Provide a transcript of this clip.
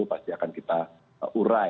pasti akan kita urai